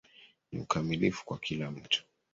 Ni ukamilifu kwa kila mtu